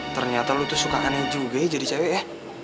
ternyata lu tuh suka aneh juga ya jadi cewek ya